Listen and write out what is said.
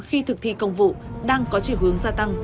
khi thực thi công vụ đang có chiều hướng gia tăng